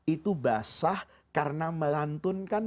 itu basah karena melantunkan